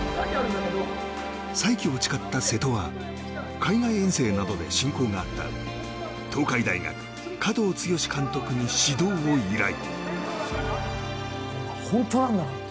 再起を誓った瀬戸は海外遠征などで親交があった東海大学、加藤健志監督に指導を依頼。